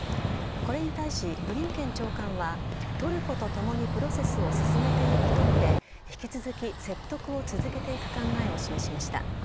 これに対しブリンケン長官はトルコとともにプロセスを進めていくと述べ引き続き説得を続けていく考えを示しました。